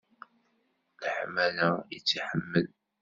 D leḥmala i tt-iḥemmel.